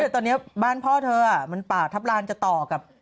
ตอนนี้บ้านพ่อเธอมันป่าทับลานจะต่อกับ